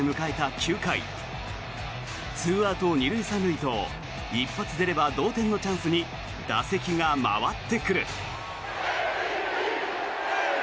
９回２アウト２塁３塁と一発出れば同点のチャンスに打席が回ってくる。